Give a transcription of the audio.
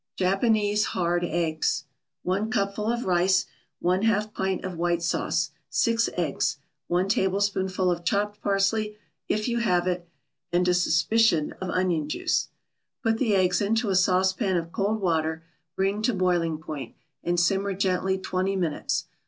JAPANESE HARD EGGS 1 cupful of rice 1/2 pint of white sauce 6 eggs 1 tablespoonful of chopped parsley, if you have it, and a suspicion of onion juice Put the eggs into a saucepan of cold water, bring to boiling point, and simmer gently twenty minutes.